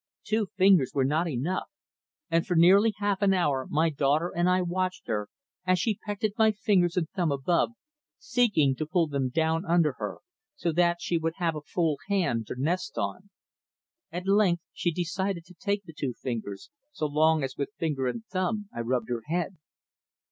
Two fingers were not enough, and for nearly half an hour my daughter and I watched her as she pecked at my fingers and thumb above, seeking to pull them down under her so that she would have a 'full hand' to nest on. At length she decided to take the two fingers, so long as with finger and thumb I rubbed her head.